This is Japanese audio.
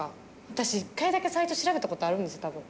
私一回だけサイト調べた事あるんです多分。